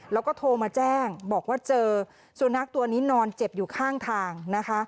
แล้วก็โทรมาแจ้งบอกว่าเจอสุนัขตัวนี้นอนเจ็บอยู่ข้างทางนะคะ